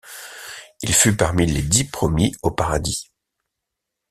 Il fut parmi les dix promis aux paradis.